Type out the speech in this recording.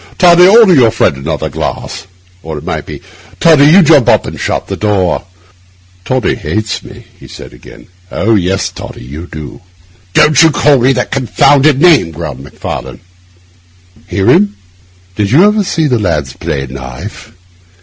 Toddy, order your friend another glass.' Or it might be, 'Toddy, you jump up and shut the door.' 'Toddy hates me,' he said again. 'Oh yes, Toddy, you do!' 'Don't you call me that confounded name,' growled Macfarlane. 'Hear him! Did you ever see the lads play knife?